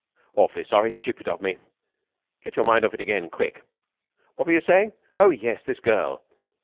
"Awfully sorry! Stupid of me! Get your mind off it again quick! What were you saying? Oh, yes, this girl.